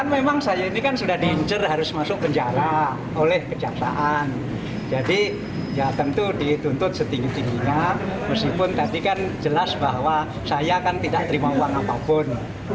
meskipun tadi kan jelas bahwa saya kan tidak terima uang apapun